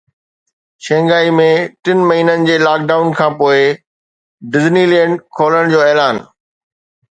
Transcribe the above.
شنگهائي ۾ ٽن مهينن جي لاڪ ڊائون کانپوءِ ڊزني لينڊ کولڻ جو اعلان